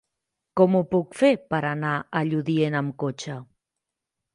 Com ho puc fer per anar a Lludient amb cotxe?